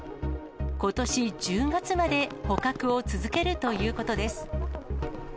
ことし１０月まで捕獲を続けるということです。